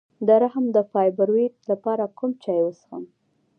د رحم د فایبرویډ لپاره کوم چای وڅښم؟